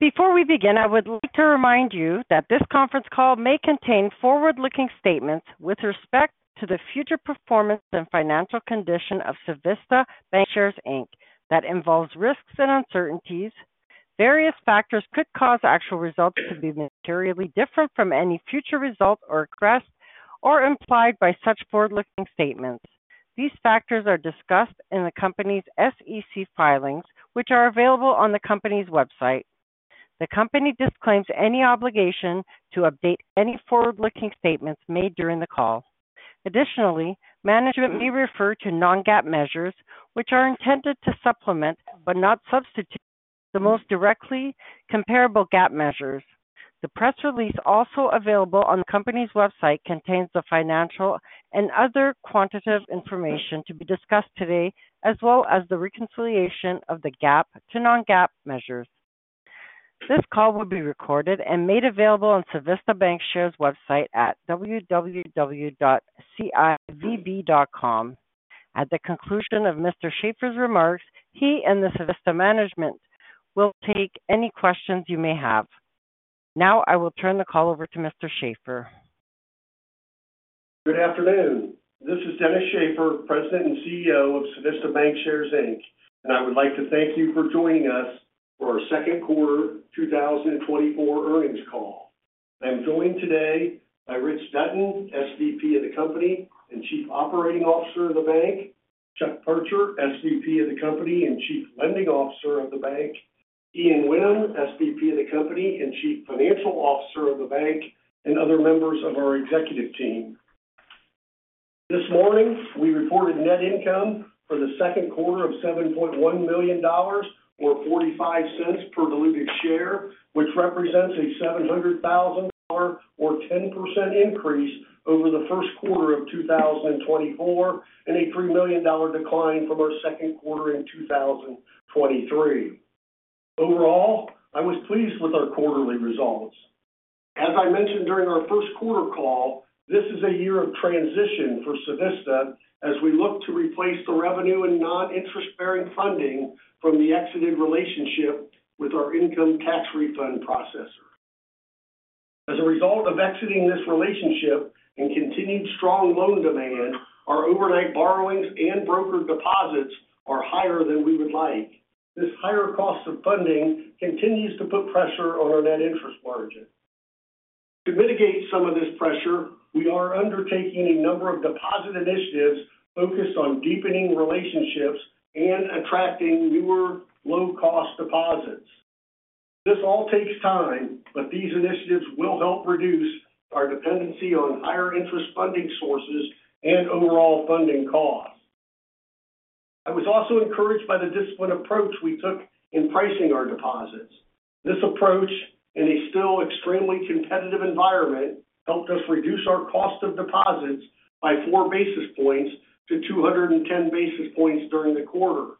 Before we begin, I would like to remind you that this conference call may contain forward-looking statements with respect to the future performance and financial condition of Civista Bancshares, Inc. That involves risks and uncertainties. Various factors could cause actual results to be materially different from any future result or addressed or implied by such forward-looking statements. These factors are discussed in the company's SEC filings, which are available on the company's website. The company disclaims any obligation to update any forward-looking statements made during the call. Additionally, management may refer to non-GAAP measures, which are intended to supplement but not substitute the most directly comparable GAAP measures. The press release also available on the company's website contains the financial and other quantitative information to be discussed today, as well as the reconciliation of the GAAP to non-GAAP measures. This call will be recorded and made available on Civista Bancshares' website at www.civb.com. At the conclusion of Mr. Shaffer's remarks, he and the Civista management will take any questions you may have. Now, I will turn the call over to Mr. Shaffer. Good afternoon. This is Dennis Shaffer, President and CEO of Civista Bancshares, Inc., and I would like to thank you for joining us for our second quarter 2024 earnings call. I'm joined today by Rich Dutton, SVP of the company and Chief Operating Officer of the bank; Chuck Parcher, SVP of the company and Chief Lending Officer of the bank; Ian Whinnem, SVP of the company and Chief Financial Officer of the bank; and other members of our executive team. This morning, we reported net income for the second quarter of $7.1 million, or $0.45 per diluted share, which represents a $700,000 or 10% increase over the first quarter of 2024 and a $3 million decline from our second quarter in 2023. Overall, I was pleased with our quarterly results. As I mentioned during our first quarter call, this is a year of transition for Civista as we look to replace the revenue and non-interest-bearing funding from the exited relationship with our income tax refund processor. As a result of exiting this relationship and continued strong loan demand, our overnight borrowings and brokered deposits are higher than we would like. This higher cost of funding continues to put pressure on our net interest margin. To mitigate some of this pressure, we are undertaking a number of deposit initiatives focused on deepening relationships and attracting newer low-cost deposits. This all takes time, but these initiatives will help reduce our dependency on higher interest funding sources and overall funding costs. I was also encouraged by the disciplined approach we took in pricing our deposits. This approach, in a still extremely competitive environment, helped us reduce our cost of deposits by 4 basis points to 210 basis points during the quarter.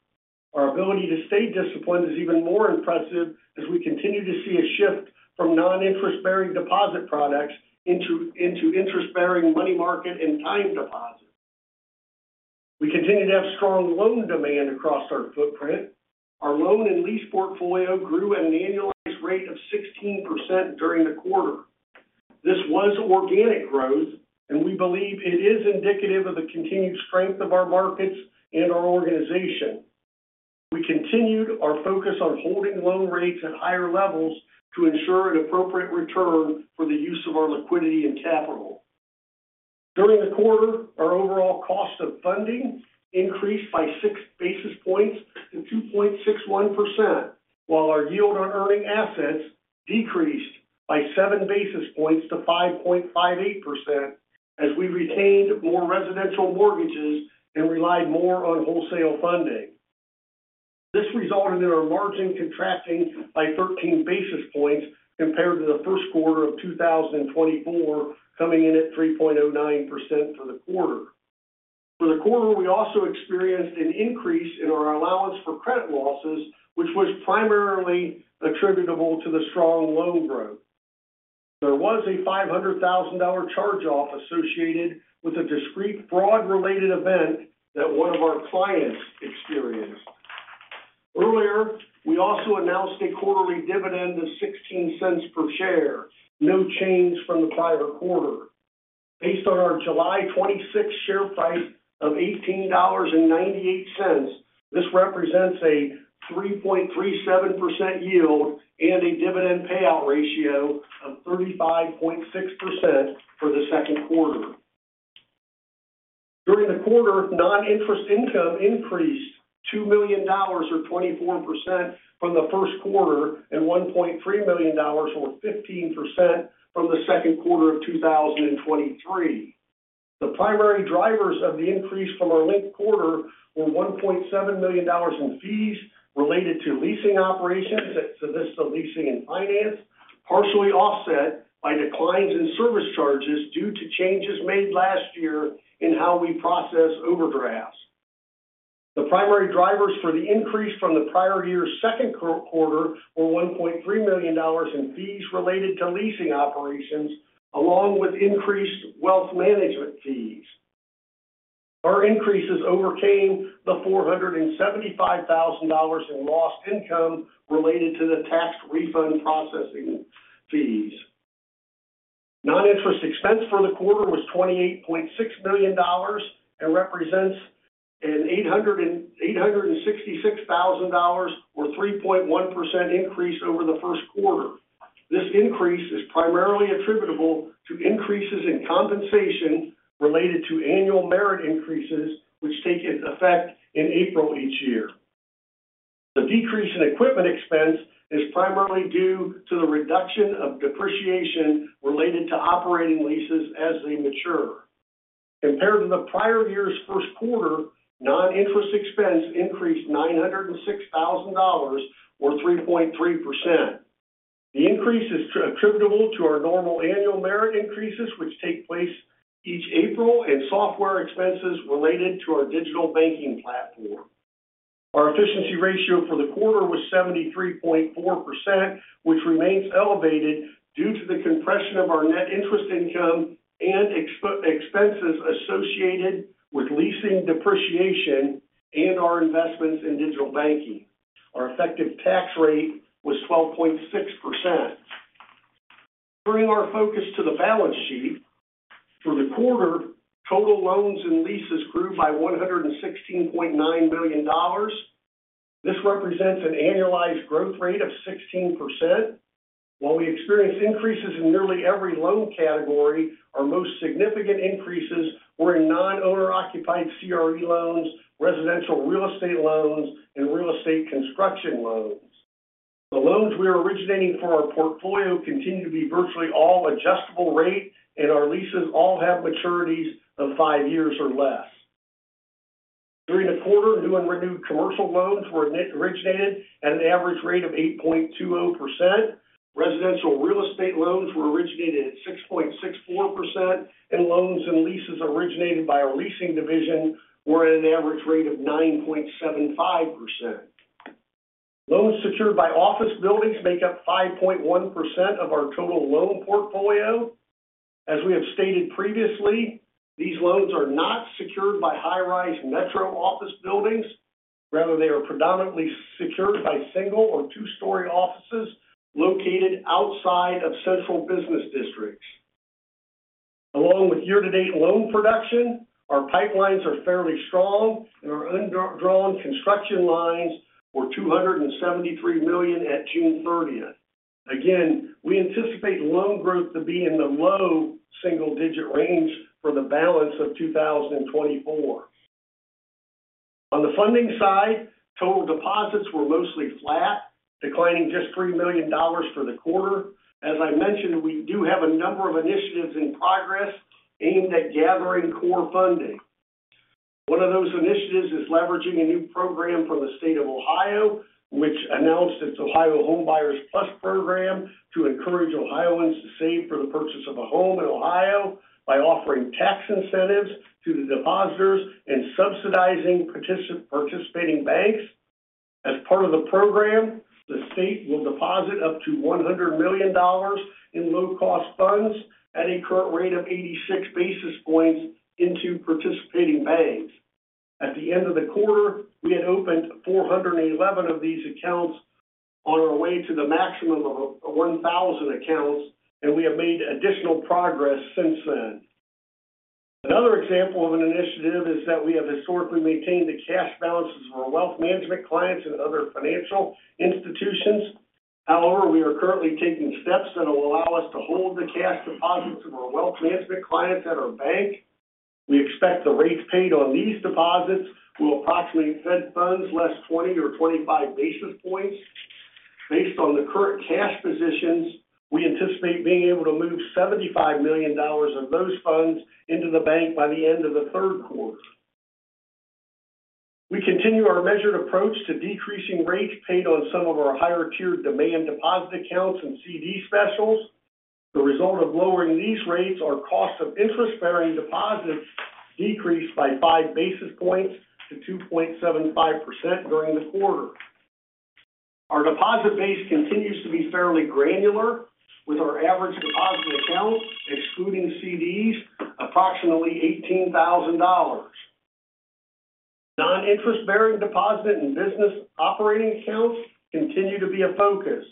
Our ability to stay disciplined is even more impressive as we continue to see a shift from non-interest-bearing deposit products into interest-bearing money market and time deposits. We continue to have strong loan demand across our footprint. Our loan and lease portfolio grew at an annualized rate of 16% during the quarter. This was organic growth, and we believe it is indicative of the continued strength of our markets and our organization. We continued our focus on holding loan rates at higher levels to ensure an appropriate return for the use of our liquidity and capital. During the quarter, our overall cost of funding increased by 6 basis points to 2.61%, while our yield on earning assets decreased by 7 basis points to 5.58% as we retained more residential mortgages and relied more on wholesale funding. This resulted in our margin contracting by 13 basis points compared to the first quarter of 2024, coming in at 3.09% for the quarter. For the quarter, we also experienced an increase in our allowance for credit losses, which was primarily attributable to the strong loan growth. There was a $500,000 charge-off associated with a discrete fraud-related event that one of our clients experienced. Earlier, we also announced a quarterly dividend of $0.16 per share, no change from the prior quarter. Based on our July 26th share price of $18.98, this represents a 3.37% yield and a dividend payout ratio of 35.6% for the second quarter. During the quarter, non-interest income increased $2 million, or 24%, from the first quarter and $1.3 million, or 15%, from the second quarter of 2023. The primary drivers of the increase from our last quarter were $1.7 million in fees related to leasing operations at Civista Leasing & Finance, partially offset by declines in service charges due to changes made last year in how we process overdrafts. The primary drivers for the increase from the prior year's second quarter were $1.3 million in fees related to leasing operations, along with increased wealth management fees. Our increases overcame the $475,000 in lost income related to the tax refund processing fees. Non-interest expense for the quarter was $28.6 million and represents an $866,000, or 3.1%, increase over the first quarter. This increase is primarily attributable to increases in compensation related to annual merit increases, which take effect in April each year. The decrease in equipment expense is primarily due to the reduction of depreciation related to operating leases as they mature. Compared to the prior year's first quarter, non-interest expense increased $906,000, or 3.3%. The increase is attributable to our normal annual merit increases, which take place each April, and software expenses related to our digital banking platform. Our efficiency ratio for the quarter was 73.4%, which remains elevated due to the compression of our net interest income and expenses associated with leasing depreciation and our investments in digital banking. Our effective tax rate was 12.6%. Turning our focus to the balance sheet, for the quarter, total loans and leases grew by $116.9 million. This represents an annualized growth rate of 16%. While we experienced increases in nearly every loan category, our most significant increases were in non-owner-occupied CRE loans, residential real estate loans, and real estate construction loans. The loans we are originating for our portfolio continue to be virtually all adjustable rate, and our leases all have maturities of five years or less. During the quarter, new and renewed commercial loans were originated at an average rate of 8.20%. Residential real estate loans were originated at 6.64%, and loans and leases originated by our leasing division were at an average rate of 9.75%. Loans secured by office buildings make up 5.1% of our total loan portfolio. As we have stated previously, these loans are not secured by high-rise metro office buildings. Rather, they are predominantly secured by single or two-story offices located outside of central business districts. Along with year-to-date loan production, our pipelines are fairly strong, and our underdrawn construction lines were $273 million at June 30th. Again, we anticipate loan growth to be in the low single-digit range for the balance of 2024. On the funding side, total deposits were mostly flat, declining just $3 million for the quarter. As I mentioned, we do have a number of initiatives in progress aimed at gathering core funding. One of those initiatives is leveraging a new program from the state of Ohio, which announced its Ohio Homebuyer Plus program to encourage Ohioans to save for the purchase of a home in Ohio by offering tax incentives to the depositors and subsidizing participating banks. As part of the program, the state will deposit up to $100 million in low-cost funds at a current rate of 86 basis points into participating banks. At the end of the quarter, we had opened 411 of these accounts on our way to the maximum of 1,000 accounts, and we have made additional progress since then. Another example of an initiative is that we have historically maintained the cash balances of our wealth management clients and other financial institutions. However, we are currently taking steps that will allow us to hold the cash deposits of our wealth management clients at our bank. We expect the rates paid on these deposits will approximately Fed funds less 20 or 25 basis points. Based on the current cash positions, we anticipate being able to move $75 million of those funds into the bank by the end of the third quarter. We continue our measured approach to decreasing rates paid on some of our higher-tier demand deposit accounts and CD specials. The result of lowering these rates is our cost of interest-bearing deposits decreased by 5 basis points to 2.75% during the quarter. Our deposit base continues to be fairly granular, with our average deposit account, excluding CDs, approximately $18,000. Non-interest-bearing deposit and business operating accounts continue to be a focus.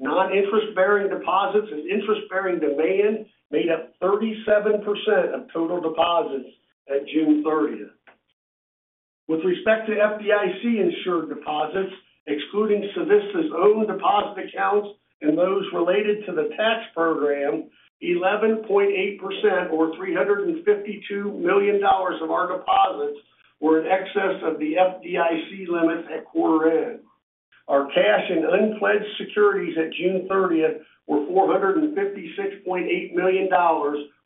Non-interest-bearing deposits and interest-bearing demand made up 37% of total deposits at June 30th. With respect to FDIC insured deposits, excluding Civista's own deposit accounts and those related to the tax program, 11.8%, or $352 million, of our deposits were in excess of the FDIC limits at quarter-end. Our cash and unpledged securities at June 30th were $456.8 million,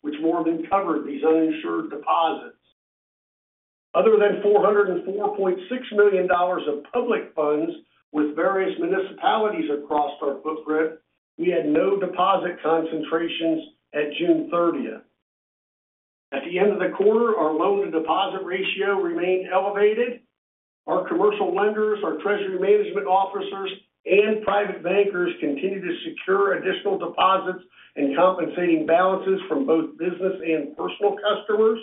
which more than covered these uninsured deposits. Other than $404.6 million of public funds with various municipalities across our footprint, we had no deposit concentrations at June 30th. At the end of the quarter, our loan-to-deposit ratio remained elevated. Our commercial lenders, our treasury management officers, and private bankers continue to secure additional deposits and compensating balances from both business and personal customers.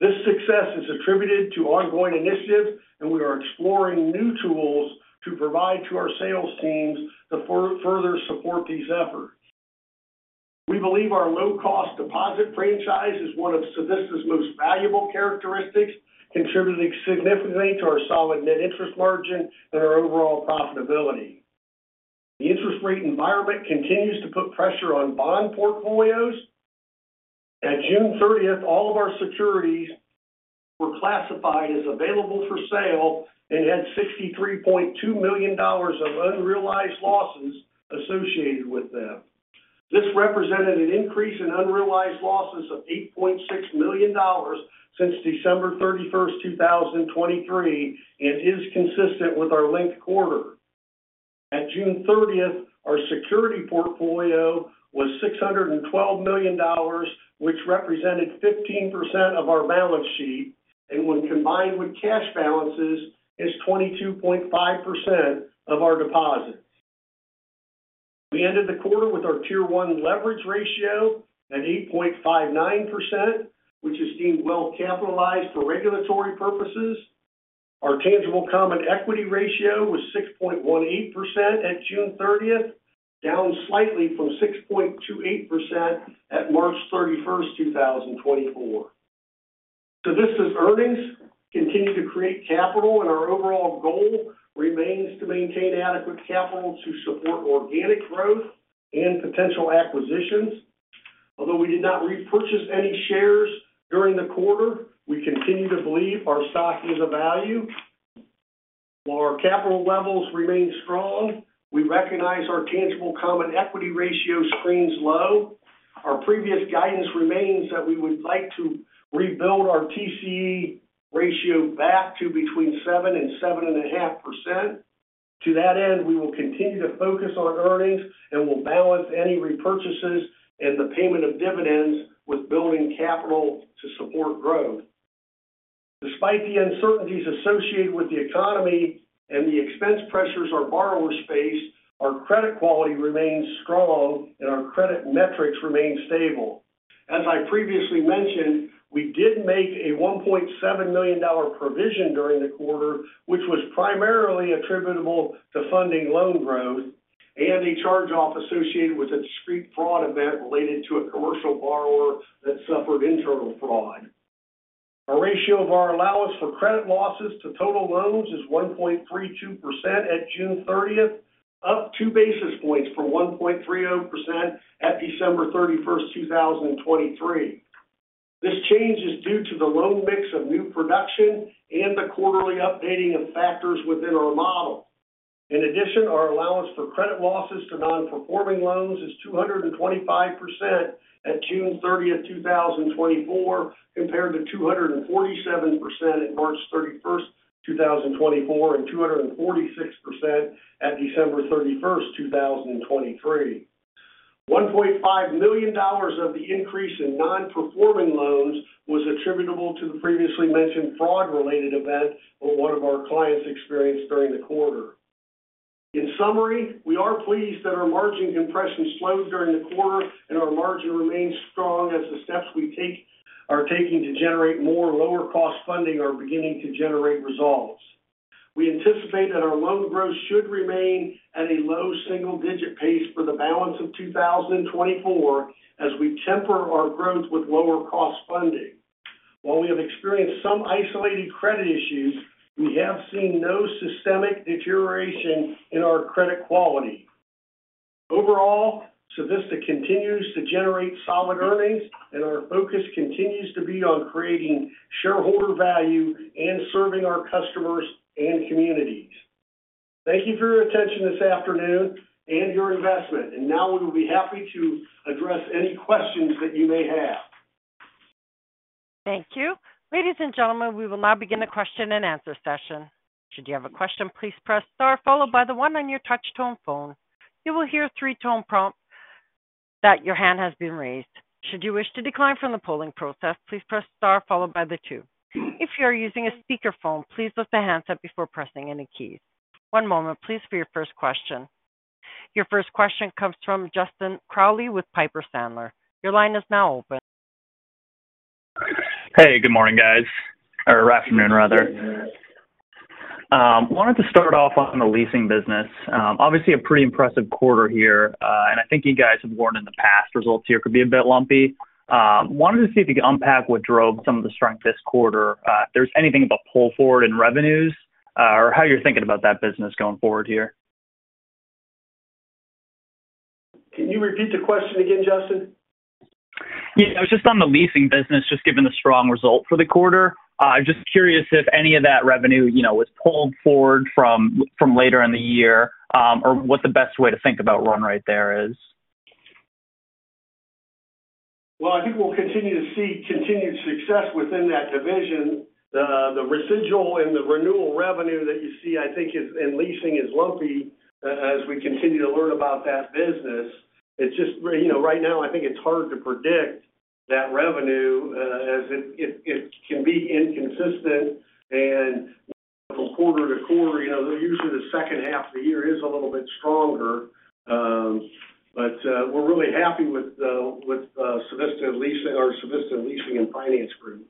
This success is attributed to ongoing initiatives, and we are exploring new tools to provide to our sales teams to further support these efforts. We believe our low-cost deposit franchise is one of Civista's most valuable characteristics, contributing significantly to our solid net interest margin and our overall profitability. The interest rate environment continues to put pressure on bond portfolios. At June 30th, all of our securities were classified as available for sale and had $63.2 million of unrealized losses associated with them. This represented an increase in unrealized losses of $8.6 million since December 31st, 2023, and is consistent with our linked quarter. At June 30th, our security portfolio was $612 million, which represented 15% of our balance sheet and, when combined with cash balances, is 22.5% of our deposits. We ended the quarter with our Tier 1 leverage ratio at 8.59%, which is deemed well-capitalized for regulatory purposes. Our tangible common equity ratio was 6.18% at June 30th, down slightly from 6.28% at March 31st, 2024. Civista's earnings continue to create capital, and our overall goal remains to maintain adequate capital to support organic growth and potential acquisitions. Although we did not repurchase any shares during the quarter, we continue to believe our stock is of value. While our capital levels remain strong, we recognize our tangible common equity ratio screens low. Our previous guidance remains that we would like to rebuild our TCE ratio back to between 7%-7.5%. To that end, we will continue to focus on earnings and will balance any repurchases and the payment of dividends with building capital to support growth. Despite the uncertainties associated with the economy and the expense pressures our borrowers face, our credit quality remains strong and our credit metrics remain stable. As I previously mentioned, we did make a $1.7 million provision during the quarter, which was primarily attributable to funding loan growth and a charge-off associated with a discrete fraud event related to a commercial borrower that suffered internal fraud. Our ratio of our allowance for credit losses to total loans is 1.32% at June 30th, up two basis points from 1.30% at December 31st, 2023. This change is due to the loan mix of new production and the quarterly updating of factors within our model. In addition, our allowance for credit losses to non-performing loans is 225% at June 30th, 2024, compared to 247% at March 31st, 2024, and 246% at December 31st, 2023. $1.5 million of the increase in non-performing loans was attributable to the previously mentioned fraud-related event that one of our clients experienced during the quarter. In summary, we are pleased that our margin compression slowed during the quarter and our margin remains strong as the steps we are taking to generate more lower-cost funding are beginning to generate results. We anticipate that our loan growth should remain at a low single-digit pace for the balance of 2024 as we temper our growth with lower-cost funding. While we have experienced some isolated credit issues, we have seen no systemic deterioration in our credit quality. Overall, Civista continues to generate solid earnings, and our focus continues to be on creating shareholder value and serving our customers and communities. Thank you for your attention this afternoon and your investment. And now we will be happy to address any questions that you may have. Thank you. Ladies and gentlemen, we will now begin the question and answer session. Should you have a question, please press star, followed by the one on your touch-tone phone. You will hear a three-tone prompt that your hand has been raised. Should you wish to decline from the polling process, please press star, followed by the two. If you are using a speakerphone, please lift the handset up before pressing any keys. One moment, please, for your first question. Your first question comes from Justin Crowley with Piper Sandler. Your line is now open. Hey, good morning, guys, or afternoon, rather. Wanted to start off on the leasing business. Obviously, a pretty impressive quarter here, and I think you guys have warned in the past results here could be a bit lumpy. Wanted to see if you could unpack what drove some of the strength this quarter, if there's anything of a pull forward in revenues, or how you're thinking about that business going forward here. Can you repeat the question again, Justin? Yeah, it was just on the leasing business, just given the strong result for the quarter. I'm just curious if any of that revenue was pulled forward from later in the year or what the best way to think about run rate there is. Well, I think we'll continue to see continued success within that division. The residual and the renewal revenue that you see, I think, in leasing is lumpy as we continue to learn about that business. It's just right now, I think it's hard to predict that revenue as it can be inconsistent. From quarter to quarter, usually the second half of the year is a little bit stronger. But we're really happy with Civista Leasing & Finance Group.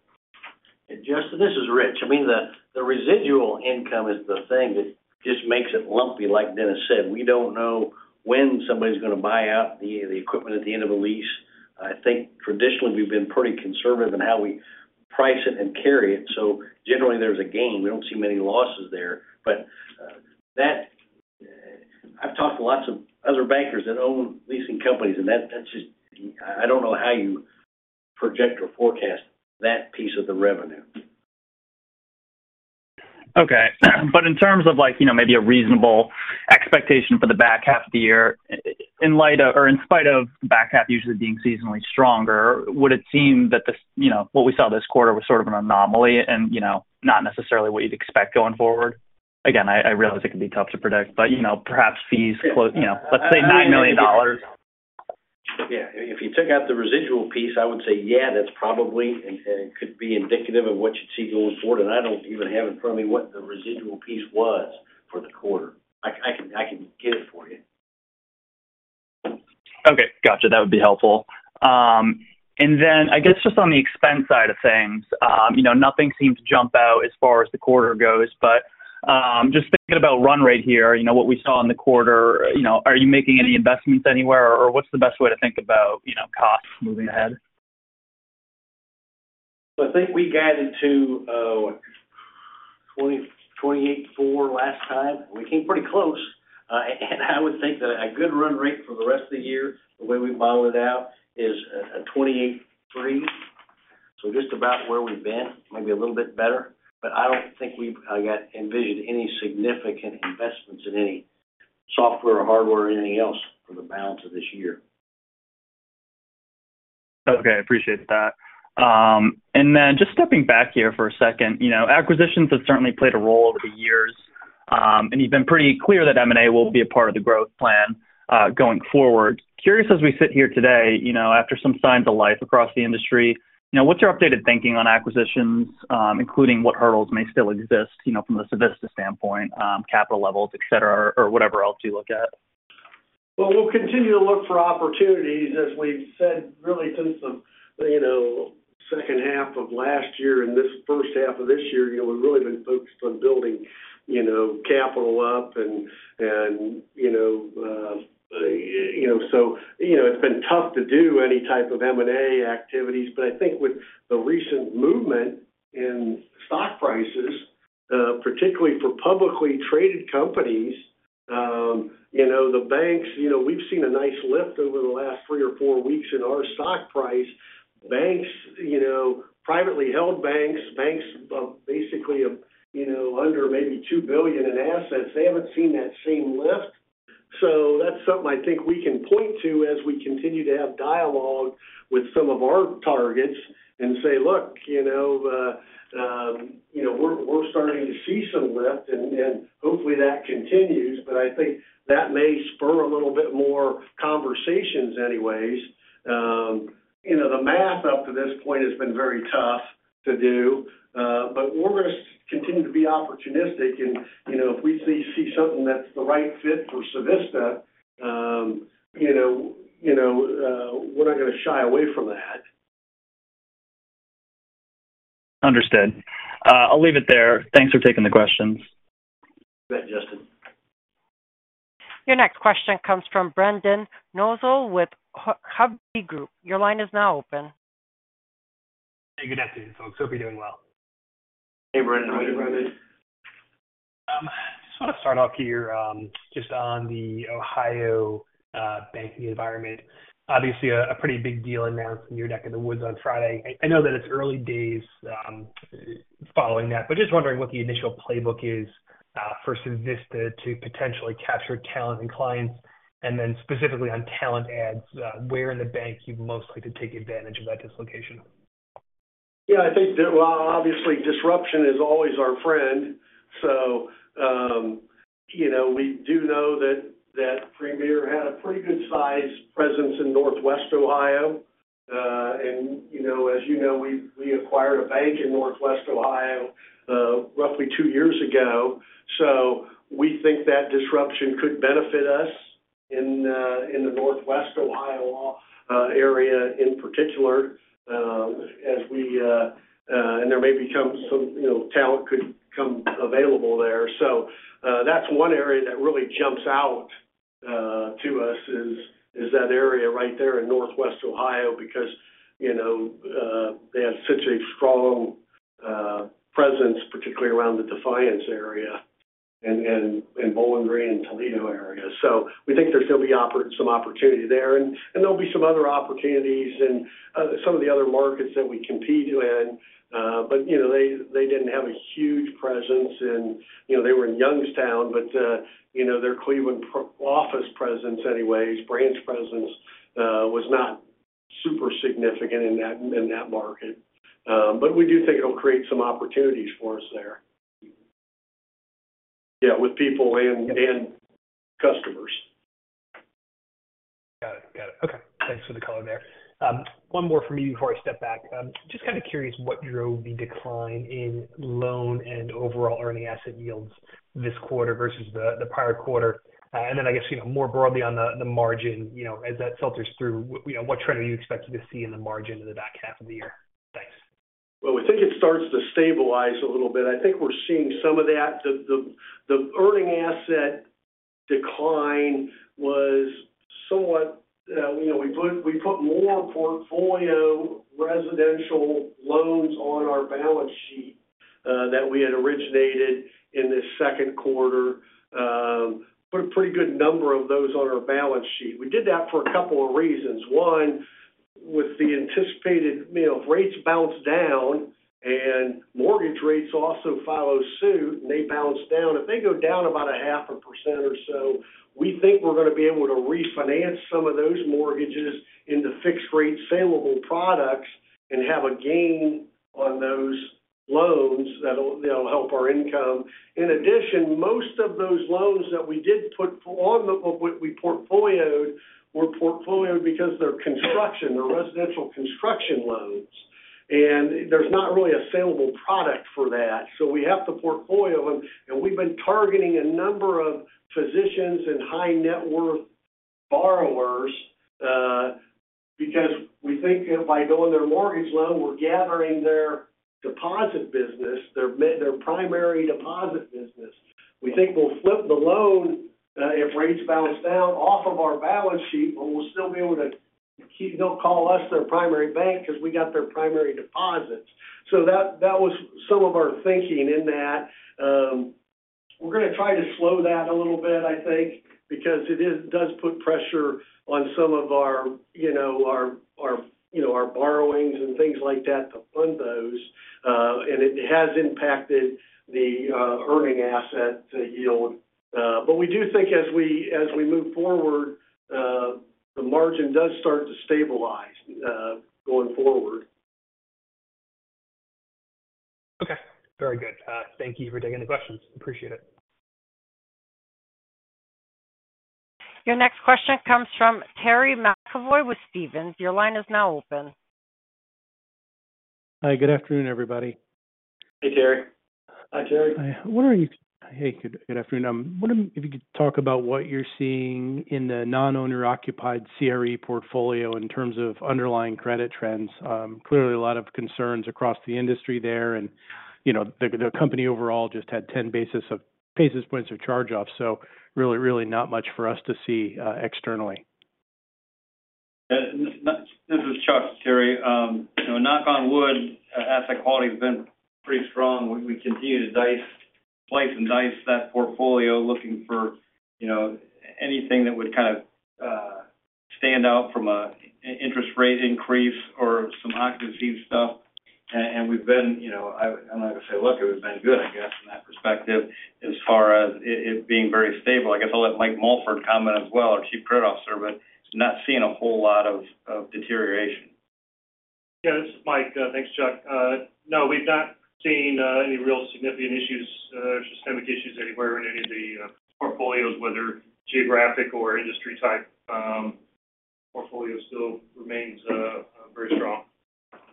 And Justin, this is Rich. I mean, the residual income is the thing that just makes it lumpy, like Dennis said. We don't know when somebody's going to buy out the equipment at the end of a lease. I think traditionally, we've been pretty conservative in how we price it and carry it. So generally, there's a gain. We don't see many losses there. But I've talked to lots of other bankers that own leasing companies, and I don't know how you project or forecast that piece of the revenue. Okay. But in terms of maybe a reasonable expectation for the back half of the year, in light of or in spite of back half usually being seasonally stronger, would it seem that what we saw this quarter was sort of an anomaly and not necessarily what you'd expect going forward? Again, I realize it can be tough to predict, but perhaps fees, let's say $9 million. Yeah. If you take out the residual piece, I would say, yeah, that's probably and it could be indicative of what you'd see going forward. And I don't even have in front of me what the residual piece was for the quarter. I can get it for you. Okay. Gotcha. That would be helpful. And then, I guess, just on the expense side of things, nothing seemed to jump out as far as the quarter goes. But just thinking about run rate here, what we saw in the quarter, are you making any investments anywhere, or what's the best way to think about costs moving ahead? So I think we guided to 28.4 last time. We came pretty close. And I would think that a good run rate for the rest of the year, the way we've modeled it out, is 28.3. So just about where we've been, maybe a little bit better. But I don't think we've envisioned any significant investments in any software or hardware or anything else for the balance of this year. Okay. I appreciate that. And then just stepping back here for a second, acquisitions have certainly played a role over the years, and you've been pretty clear that M&A will be a part of the growth plan going forward. Curious, as we sit here today, after some signs of life across the industry, what's your updated thinking on acquisitions, including what hurdles may still exist from the Civista standpoint, capital levels, etc., or whatever else you look at? Well, we'll continue to look for opportunities. As we've said, really, since the second half of last year and this first half of this year, we've really been focused on building capital up. And so it's been tough to do any type of M&A activities. But I think with the recent movement in stock prices, particularly for publicly traded companies, the banks, we've seen a nice lift over the last 3 or 4 weeks in our stock price. Privately held banks, banks basically under maybe $2 billion in assets, they haven't seen that same lift. So that's something I think we can point to as we continue to have dialogue with some of our targets and say, "Look, we're starting to see some lift, and hopefully that continues." But I think that may spur a little bit more conversations anyways. The math up to this point has been very tough to do. But we're going to continue to be opportunistic. And if we see something that's the right fit for Civista, we're not going to shy away from that. Understood. I'll leave it there. Thanks for taking the questions. Thanks, Justin. Your next question comes from Brendan Nosal with Hovde Group. Your line is now open. Hey, good afternoon, folks. Hope you're doing well. Hey, Brendan. How are you, Brendan? Just want to start off here just on the Ohio banking environment. Obviously, a pretty big deal announced in your neck of the woods on Friday. I know that it's early days following that, but just wondering what the initial playbook is for Civista to potentially capture talent and clients. And then specifically on talent ads, where in the bank you'd most like to take advantage of that dislocation? Yeah. Well, obviously, disruption is always our friend. So we do know that Premier had a pretty good-sized presence in Northwest Ohio. And as you know, we acquired a bank in Northwest Ohio roughly two years ago. So we think that disruption could benefit us in the Northwest Ohio area in particular, as we and there may be some talent could come available there. So that's one area that really jumps out to us: that area right there in Northwest Ohio because they have such a strong presence, particularly around the Defiance area and Bowling Green and Toledo area. So we think there's going to be some opportunity there. And there'll be some other opportunities in some of the other markets that we compete in. But they didn't have a huge presence. And they were in Youngstown, but their Cleveland office presence anyways, branch presence was not super significant in that market. But we do think it'll create some opportunities for us there. Yeah, with people and customers. Got it. Got it. Okay. Thanks for the color there. One more from me before I step back. Just kind of curious what drove the decline in loan and overall earning asset yields this quarter versus the prior quarter. And then, I guess, more broadly on the margin, as that filters through, what trend are you expecting to see in the margin in the back half of the year? Thanks. Well, we think it starts to stabilize a little bit. I think we're seeing some of that. The earning asset decline was somewhat we put more portfolio residential loans on our balance sheet that we had originated in this second quarter, put a pretty good number of those on our balance sheet. We did that for a couple of reasons. One, with the anticipated rates bounce down and mortgage rates also follow suit and they bounce down, if they go down about 0.5% or so, we think we're going to be able to refinance some of those mortgages into fixed-rate salable products and have a gain on those loans that'll help our income. In addition, most of those loans that we did put on what we portfolioed were portfolioed because they're construction. They're residential construction loans. There's not really a salable product for that. So we have to portfolio them. We've been targeting a number of physicians and high-net-worth borrowers because we think by going their mortgage loan, we're gathering their deposit business, their primary deposit business. We think we'll flip the loan if rates bounce down off of our balance sheet, but we'll still be able to. They'll call us their primary bank because we got their primary deposits. So that was some of our thinking in that. We're going to try to slow that a little bit, I think, because it does put pressure on some of our borrowings and things like that to fund those. It has impacted the earning asset yield. But we do think as we move forward, the margin does start to stabilize going forward. Okay. Very good. Thank you for taking the questions. Appreciate it. Your next question comes from Terry McEvoy with Stephens. Your line is now open. Hi. Good afternoon, everybody. Hey, Terry. Hi, Terry. Hi. Good afternoon. I'm wondering if you could talk about what you're seeing in the non-owner-occupied CRE portfolio in terms of underlying credit trends. Clearly, a lot of concerns across the industry there. And the company overall just had 10 basis points of charge off. So really, really not much for us to see externally. This is Chuck, Terry. Knock on wood, asset quality has been pretty strong. We continue to slice and dice that portfolio looking for anything that would kind of stand out from an interest rate increase or some occupancy stuff. And we've been—I don't know how to say, "Look, it has been good," I guess—from that perspective as far as it being very stable. I guess I'll let Mike Mulford comment as well, our Chief Credit Officer, but not seeing a whole lot of deterioration. Yeah. This is Mike. Thanks, Chuck. No, we've not seen any real significant issues, systemic issues anywhere in any of the portfolios, whether geographic or industry-type portfolio still remains very strong.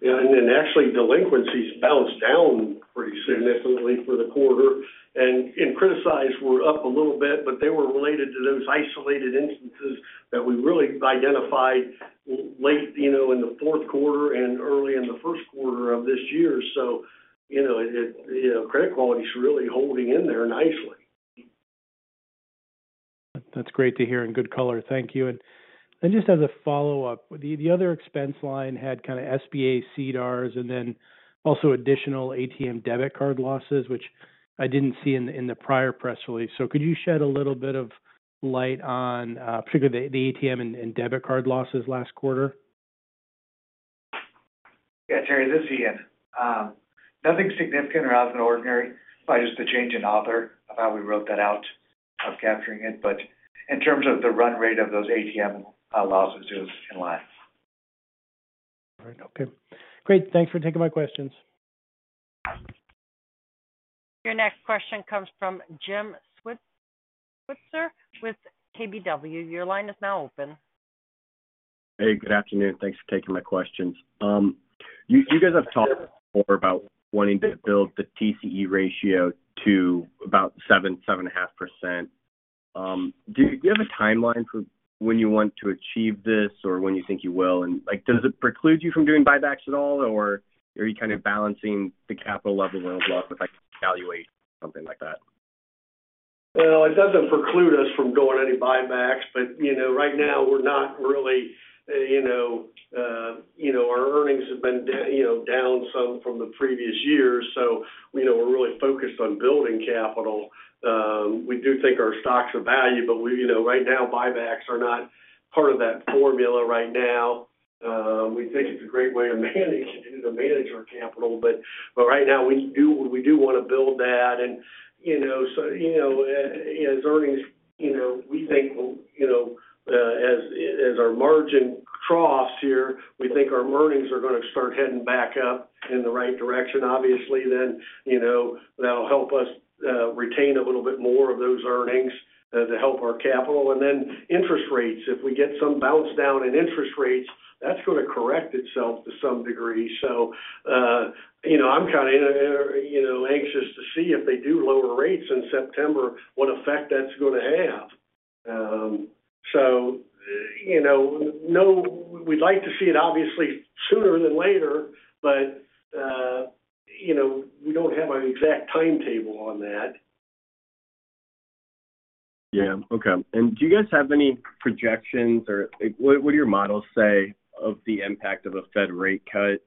Yeah. And actually, delinquencies bounced down pretty significantly for the quarter. And in criticized, we're up a little bit, but they were related to those isolated instances that we really identified late in the fourth quarter and early in the first quarter of this year. So credit quality is really holding in there nicely. That's great to hear and good color. Thank you. And just as a follow-up, the other expense line had kind of SBA SRs and then also additional ATM debit card losses, which I didn't see in the prior press release. So could you shed a little bit of light on particularly the ATM and debit card losses last quarter? Yeah. Terry, this is Ian. Nothing significant or out of the ordinary, probably just the change in author of how we wrote that out of capturing it. But in terms of the run rate of those ATM losses, it was in line. All right. Okay. Great. Thanks for taking my questions. Your next question comes from Tim Switzer with KBW. Your line is now open. Hey, good afternoon. Thanks for taking my questions. You guys have talked before about wanting to build the TCE ratio to about 7%-7.5%. Do you have a timeline for when you want to achieve this or when you think you will? And does it preclude you from doing buybacks at all, or are you kind of balancing the capital level run-of-the-mill with valuation, something like that? Well, it doesn't preclude us from doing any buybacks. But right now, we're not really; our earnings have been down some from the previous year. So we're really focused on building capital. We do think our stocks are valued, but right now, buybacks are not part of that formula right now. We think it's a great way to manage our capital. But right now, we do want to build that. And so as earnings, we think as our margin crosses here, we think our earnings are going to start heading back up in the right direction. Obviously, then that'll help us retain a little bit more of those earnings to help our capital. And then interest rates, if we get some bounce down in interest rates, that's going to correct itself to some degree. So I'm kind of anxious to see if they do lower rates in September, what effect that's going to have. So we'd like to see it, obviously, sooner than later, but we don't have an exact timetable on that. Yeah. Okay. And do you guys have any projections or what do your models say of the impact of a Fed rate cut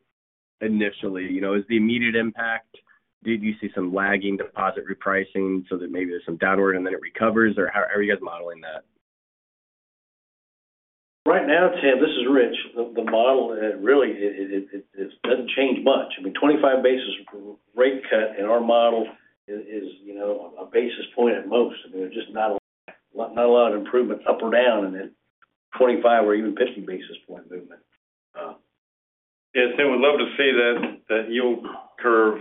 initially? Is the immediate impact? Did you see some lagging deposit repricing so that maybe there's some downward and then it recovers? Or how are you guys modeling that? Right now, Tim, this is Rich. The model really doesn't change much. I mean, 25 basis point rate cut in our model is a basis point at most. I mean, there's just not a lot of improvement up or down in it, 25 or even 50 basis point movement. Yeah. Tim, we'd love to see that yield curve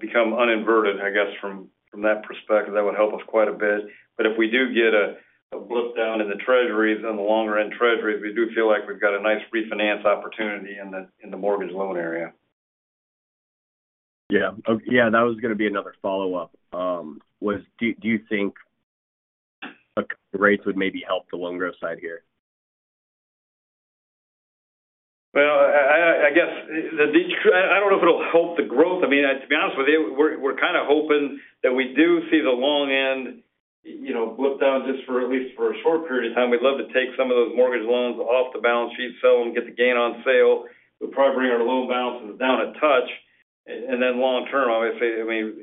become uninverted, I guess, from that perspective. That would help us quite a bit. But if we do get a blip down in the treasuries, in the longer-end treasuries, we do feel like we've got a nice refinance opportunity in the mortgage loan area. Yeah. Yeah. That was going to be another follow-up. Do you think rates would maybe help the loan growth side here? Well, I guess I don't know if it'll help the growth. I mean, to be honest with you, we're kind of hoping that we do see the long-end blip down just for at least for a short period of time. We'd love to take some of those mortgage loans off the balance sheet, sell them, get the gain on sale. We'll probably bring our loan balances down a touch. And then long-term, obviously, I mean,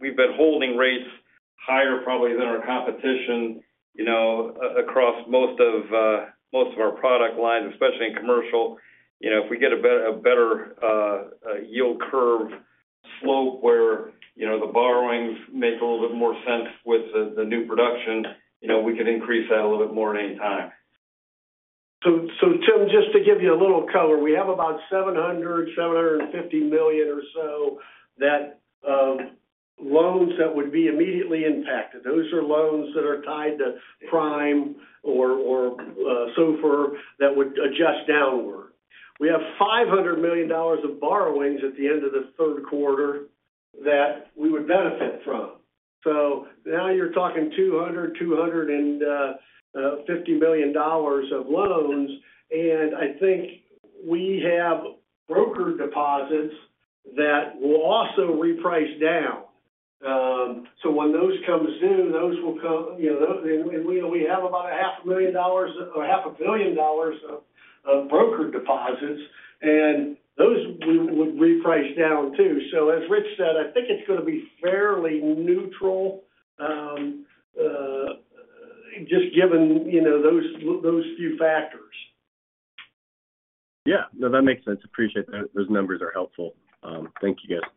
we've been holding rates higher probably than our competition across most of our product lines, especially in commercial. If we get a better yield curve slope where the borrowings make a little bit more sense with the new production, we could increase that a little bit more at any time. So, Tim, just to give you a little color, we have about $700-$750 million or so that loans that would be immediately impacted. Those are loans that are tied to prime or SOFR that would adjust downward. We have $500 million of borrowings at the end of the third quarter that we would benefit from. So now you're talking $200-$250 million of loans. And I think we have brokered deposits that will also reprice down. So when those come soon, those will come and we have about $500,000 or $500 million of brokered deposits. And those would reprice down too. So, as Rich said, I think it's going to be fairly neutral just given those few factors. Yeah. No, that makes sense. Appreciate that. Those numbers are helpful. Thank you, guys.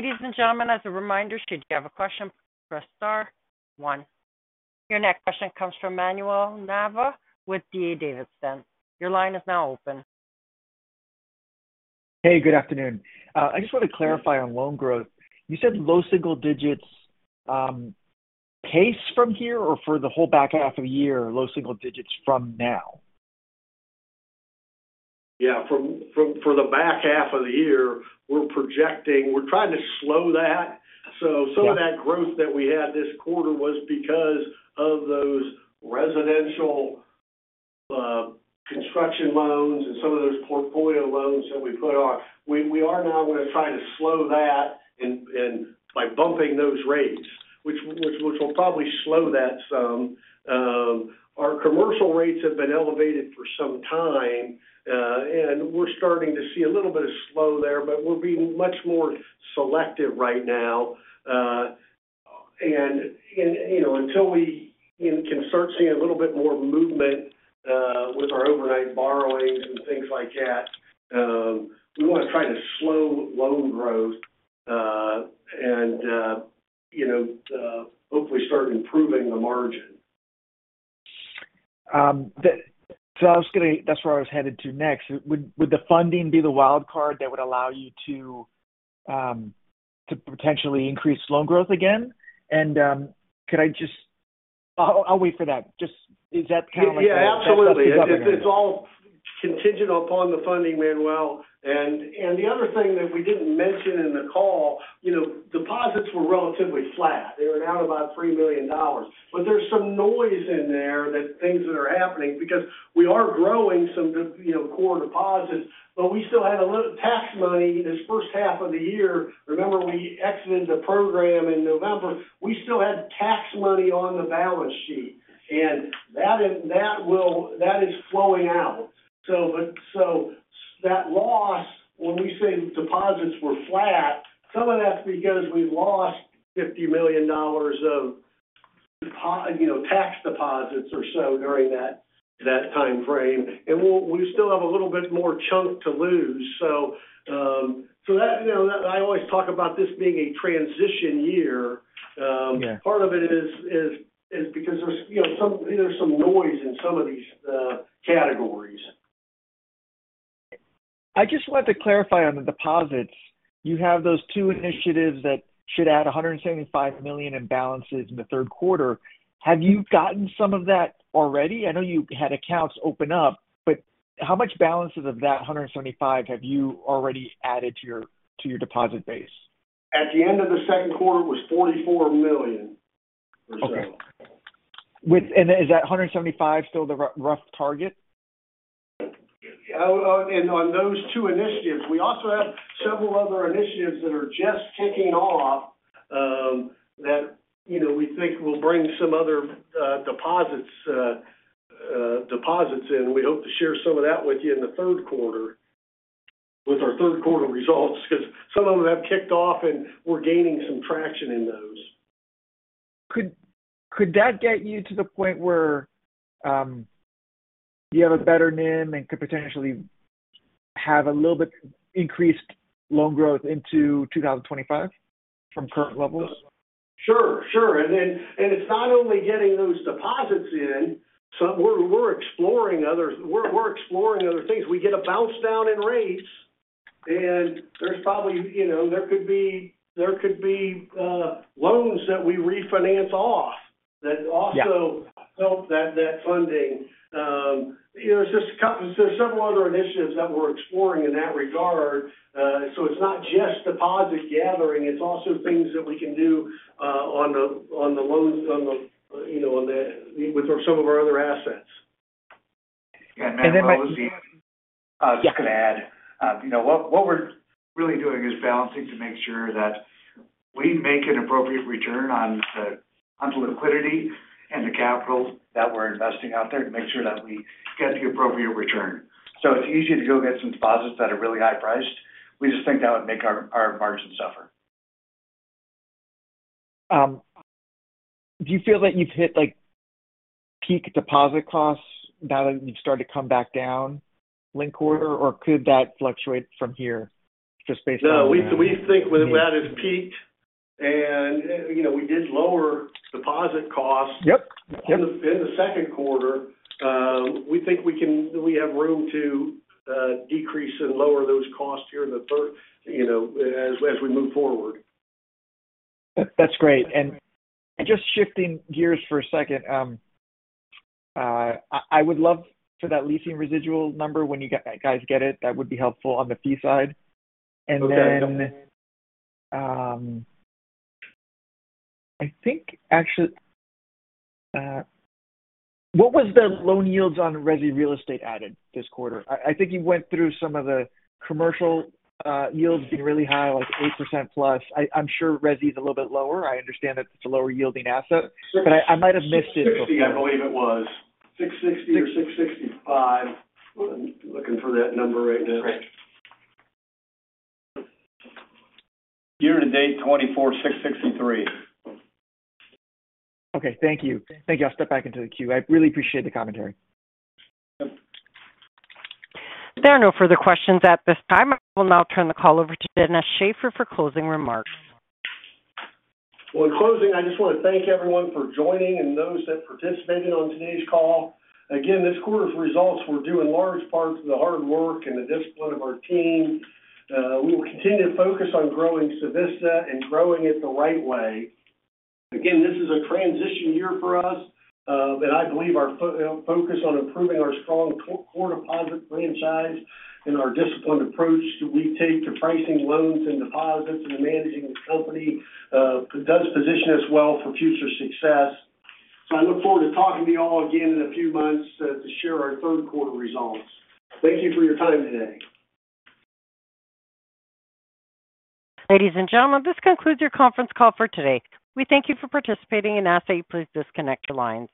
Ladies and gentlemen, as a reminder, should you have a question, press star one. Your next question comes from Manuel Navas with D.A. Davidson. Your line is now open. Hey, good afternoon. I just want to clarify on loan growth. You said low single digits pace from here or for the whole back half of the year, low single digits from now? Yeah. For the back half of the year, we're projecting we're trying to slow that. So some of that growth that we had this quarter was because of those residential construction loans and some of those portfolio loans that we put on. We are now going to try to slow that by bumping those rates, which will probably slow that some. Our commercial rates have been elevated for some time, and we're starting to see a little bit of slow there, but we're being much more selective right now. And until we can start seeing a little bit more movement with our overnight borrowings and things like that, we want to try to slow loan growth and hopefully start improving the margin. So that's where I was headed to next. Would the funding be the wild card that would allow you to potentially increase loan growth again? Could I just, I'll wait for that. Is that kind of like a? Yeah. Absolutely. It's all contingent upon the funding, Manuel. And the other thing that we didn't mention in the call, deposits were relatively flat. They were down about $3 million. But there's some noise in there that things that are happening because we are growing some core deposits, but we still had a little tax money this first half of the year. Remember, we exited the program in November. We still had tax money on the balance sheet. And that is flowing out. So that loss, when we say deposits were flat, some of that's because we lost $50 million of tax deposits or so during that timeframe. And we still have a little bit more chunk to lose. So I always talk about this being a transition year. Part of it is because there's some noise in some of these categories. I just wanted to clarify on the deposits. You have those two initiatives that should add $175 million in balances in the third quarter. Have you gotten some of that already? I know you had accounts open up, but how much balances of that 175 have you already added to your deposit base? At the end of the second quarter, it was $44 million or so. Okay. And is that 175 still the rough target? Yeah. And on those two initiatives, we also have several other initiatives that are just kicking off that we think will bring some other deposits in. We hope to share some of that with you in the third quarter with our third quarter results because some of them have kicked off, and we're gaining some traction in those. Could that get you to the point where you have a better NIM and could potentially have a little bit increased loan growth into 2025 from current levels? Sure. Sure. And it's not only getting those deposits in. We're exploring other things. We get a bounce down in rates, and there's probably could be loans that we refinance off that also help that funding. There's several other initiatives that we're exploring in that regard. So it's not just deposit gathering. It's also things that we can do on the loans with some of our other assets. And then my follow-up is just to add, what we're really doing is balancing to make sure that we make an appropriate return on the liquidity and the capital that we're investing out there to make sure that we get the appropriate return. So it's easy to go get some deposits that are really high priced. We just think that would make our margin suffer. Do you feel that you've hit peak deposit costs now that you've started to come back down linked quarter, or could that fluctuate from here just based on? No, we think that is peaked. And we did lower deposit costs in the second quarter. We think we have room to decrease and lower those costs here in the third as we move forward. That's great. And just shifting gears for a second, I would love for that leasing residual number when you guys get it. That would be helpful on the fee side. And then I think actually what was the loan yields on resi real estate added this quarter? I think you went through some of the commercial yields being really high, like 8%+. I'm sure resi is a little bit lower. I understand that it's a lower yielding asset, but I might have missed it. I believe it was 660 or 665. Looking for that number right now. Year-to-date '24, 6.63. Okay. Thank you. Thank you. I'll step back into the queue. I really appreciate the commentary. There are no further questions at this time. I will now turn the call over to Dennis Shaffer for closing remarks. Well, in closing, I just want to thank everyone for joining and those that participated on today's call. Again, this quarter's results were due in large part to the hard work and the discipline of our team. We will continue to focus on growing Civista and growing it the right way. Again, this is a transition year for us, and I believe our focus on improving our strong core deposit franchise and our disciplined approach that we take to pricing loans and deposits and managing the company does position us well for future success. So I look forward to talking to you all again in a few months to share our third quarter results. Thank you for your time today. Ladies and gentlemen, this concludes your conference call for today. We thank you for participating and ask that you please disconnect your lines.